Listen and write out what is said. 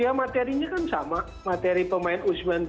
ya materinya kan sama materi pemain u sembilan belas